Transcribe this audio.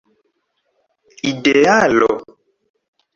idealo